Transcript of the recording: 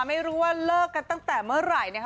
ไม่รู้ว่าเลิกกันตั้งแต่เมื่อไหร่นะคะ